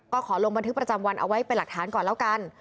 ก็ขอลงบันทึกประจำวันเอาไว้เป็นหลักฐานก่อนแล้วกัน